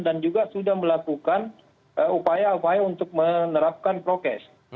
dan juga sudah melakukan upaya upaya untuk menerapkan prokes